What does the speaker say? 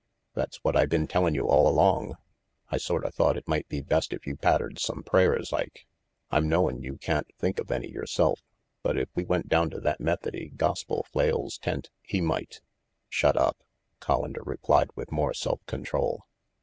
"That's what I been tellin' you all along. I sorta thought it might be best if you pattered some prayers, Ike. I'm knowin' you can't think of any yourself, but if we went down to that Methody gospel flail's tent, he might "Shut up," Collander replied with more self control.